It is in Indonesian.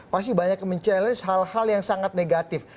pasti banyak yang mencabar hal hal yang sangat negatif